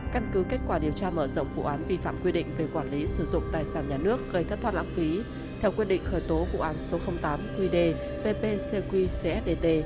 căn cứ kết quả điều tra mở rộng vụ án vi phạm quy định về quản lý sử dụng tài sản nhà nước gây thất thoát lãng phí theo quy định khởi tố vụ án số tám qd vp cq cs dt